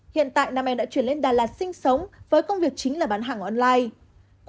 hiện tại nam em đã chuyển lên đà lạt sinh sống với công việc chính là bán hàng online